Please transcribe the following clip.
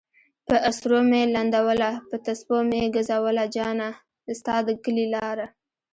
پہ اسرو میی لنڈولہ پہ تسپو میی گزولہ جانہ! ستا د کلی لارہ